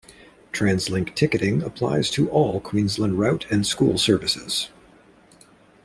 TransLink ticketing applies to all Queensland route and school services.